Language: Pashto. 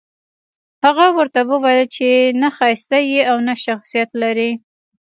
هغه ورته وويل چې نه ښايسته يې او نه شخصيت لرې.